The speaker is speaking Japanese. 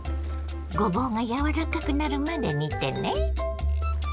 ごぼうが柔らかくなるまで煮てね。